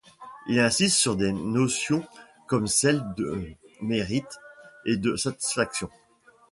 Il insiste sur des notions comme celles de mérite et de satisfaction.